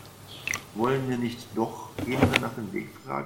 Wollen wir nicht doch jemanden nach dem Weg fragen?